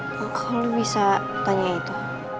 kok lu bisa tanya itu